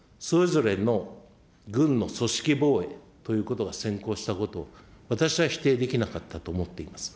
それぞれの軍の組織防衛ということが先行したこと、私は否定できなかったと思っています。